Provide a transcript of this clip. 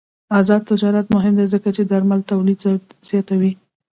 آزاد تجارت مهم دی ځکه چې درمل تولید زیاتوي.